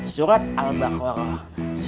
surat al baqarah satu ratus sembilan puluh satu